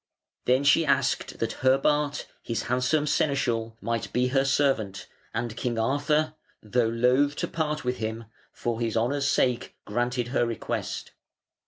Then she asked that Herbart, his handsome seneschal, might be her servant, and King Arthur, though loath to part with him, for his honour's sake granted her request.